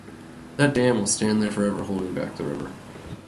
That dam will stand there forever holding back the river.